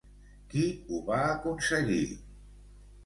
Qui ho va aconseguir?